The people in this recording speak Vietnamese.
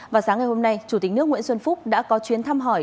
và sáng ngày hôm nay chủ tịch nước nguyễn xuân phúc đã có chuyến thăm hỏi